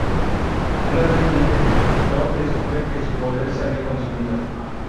Una vez libre, Lord descubrió que su poder se había consumido.